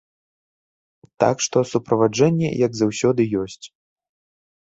Так што, суправаджэнне, як заўсёды, ёсць.